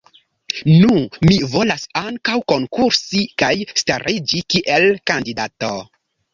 Nu mi volas ankaŭ konkursi kaj stariĝi kiel kandidato.